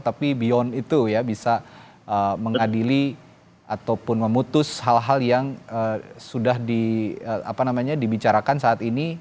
tapi beyond itu ya bisa mengadili ataupun memutus hal hal yang sudah dibicarakan saat ini